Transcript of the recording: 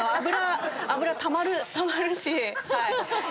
脂たまるし。